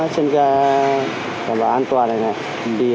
chân ga vào an toàn này này